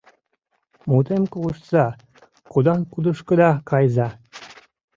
Мутем колыштса: кудан-кудышкыда кайыза!